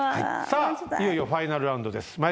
さあいよいよファイナルラウンドです。